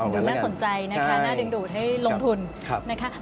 ดูน่าสนใจน่าดึงดูดให้ลงทุน